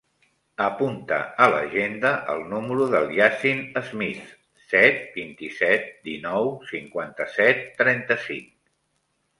Apunta a l'agenda el número del Yassin Smith: set, vint-i-set, dinou, cinquanta-set, trenta-cinc.